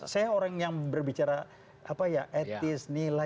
saya orang yang berbicara apa ya etis nilai